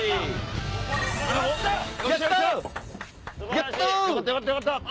やったあ！